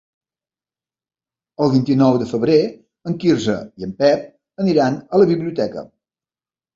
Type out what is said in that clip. El vint-i-nou de febrer en Quirze i en Pep aniran a la biblioteca.